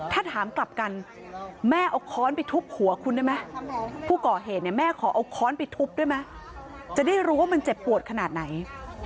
ถ้าถามกลับกันแม่เอาค้อนไปทุบหัวคุณได้ไหมผู้ก่อเหตุเนี่ยแม่ขอเอาค้อนไปทุบด้วยไหมจะได้รู้ว่ามันเจ็บปวดขนาดไหน